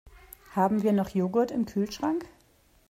Haben wir noch Joghurt im Kühlschrank?